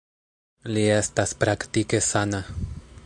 Li estas praktike sana.